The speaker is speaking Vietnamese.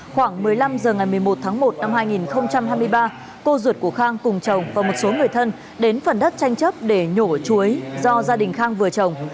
khoảng một mươi năm h ngày một mươi một tháng một năm hai nghìn hai mươi ba cô ruột của khang cùng chồng và một số người thân đến phần đất tranh chấp để nhổ ở chuối do gia đình khang vừa trồng